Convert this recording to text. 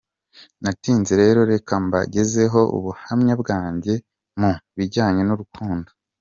Ntatinze rero reka mbagezeho ubuhamya bwanjye mu bijyanye n’urukundo:.